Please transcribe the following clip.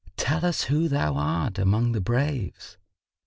Tell us who thou art among the braves."